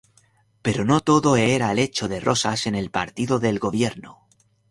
Pero no todo era lecho de rosas en el partido del gobierno.